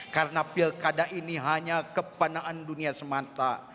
karena pilgada ini hanya kebenaan dunia semata